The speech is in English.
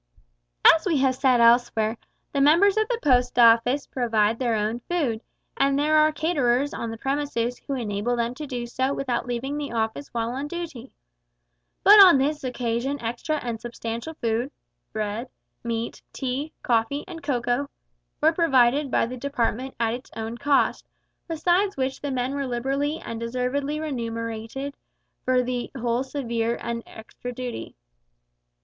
As we have said elsewhere, the members of the Post Office provide their own food, and there are caterers on the premises who enable them to do so without leaving the Office while on duty. But on this occasion extra and substantial food meat, bread, tea, coffee, and cocoa were provided by the Department at its own cost, besides which the men were liberally and deservedly remunerated for the whole severe and extra duty.